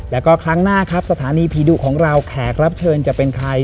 แล้วก็ครั้งหน้าครับสถานีผีดุของเราแขกรับเชิญจะเป็นใคร